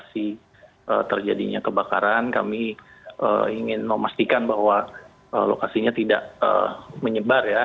lokasi terjadinya kebakaran kami ingin memastikan bahwa lokasinya tidak menyebar ya